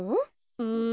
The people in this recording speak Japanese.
うん。